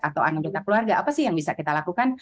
atau anggota keluarga apa sih yang bisa kita lakukan